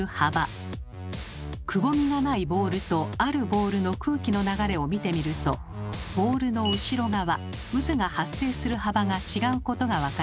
くぼみがないボールとあるボールの空気の流れを見てみるとボールの後ろ側渦が発生する幅が違うことが分かります。